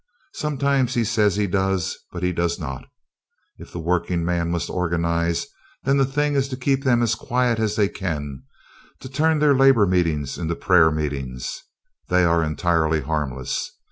Sometimes he says he does, but he does not. If workingmen must organize, then the thing is to keep them as quiet as they can, to turn their labor meetings into prayer meetings. (Laughter and applause). They are entirely harmless.